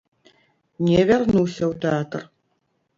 Не вярнуся ў тэатр!